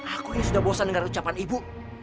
aku ini sudah bosan dengan ucapan ibu